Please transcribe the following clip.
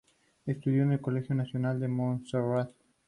Estudió en el colegio Nacional de Montserrat.